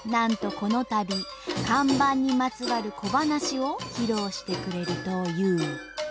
このたび看板にまつわる小ばなしを披露してくれるという。